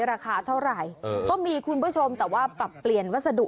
ราคาเท่าไหร่ก็มีคุณผู้ชมแต่ว่าปรับเปลี่ยนวัสดุ